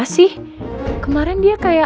sama rara ya